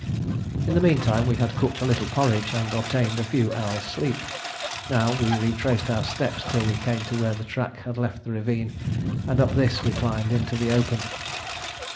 In the meantime we had cooked a little porridge and obtained a few hours' sleep. Now we retraced our steps till we came to where the track had left the ravine, and up this we climbed into the open.